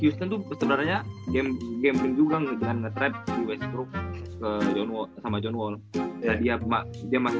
sebenarnya game game juga ngejalan ngetrap di westbrook ke john wall sama john wall dia dia masih